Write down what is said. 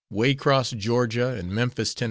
Waycross, Ga., and Memphis, Tenn.